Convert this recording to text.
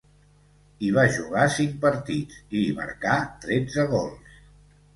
Hi va jugar cinc partits, i hi marcà tretze gols.